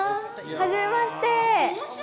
はじめまして。